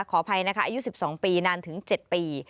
ขออภัยนะคะอายุ๑๒ปีนานถึง๗ปี